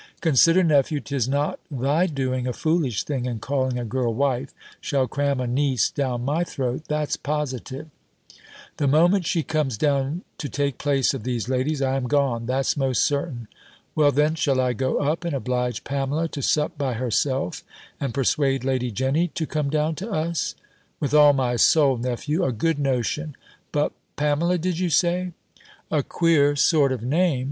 "Consider, nephew, 'tis not thy doing a foolish thing, and calling a girl wife, shall cram a niece down my throat, that's positive. The moment she comes down to take place of these ladies, I am gone, that's most certain." "Well then, shall I go up, and oblige Pamela to sup by herself, and persuade Lady Jenny to come down to us?" "With all my soul, nephew, a good notion. But, Pamela did you say? A queer sort of name!